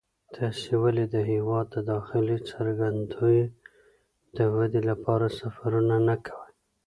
تاسې ولې د هېواد د داخلي ګرځندوی د ودې لپاره سفرونه نه کوئ؟